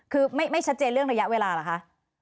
คือไม่ชัดเจนเรื่องระยะเวลาเหรอคะ